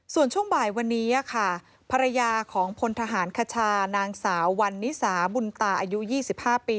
ส่วนช่วงบ่ายวันนี้ค่ะภรรยาของพลทหารคชานางสาววันนิสาบุญตาอายุ๒๕ปี